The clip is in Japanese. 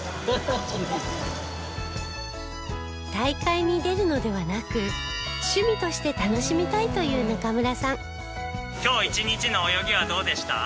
大会に出るのではなく趣味として楽しみたいという中村さん